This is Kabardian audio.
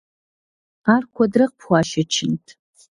Ар куэдрэ къыпхуашэчынт?